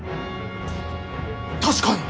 確かに。